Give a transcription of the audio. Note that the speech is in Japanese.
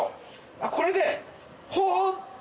あっこれで。